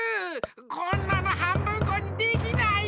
こんなのはんぶんこにできないよ！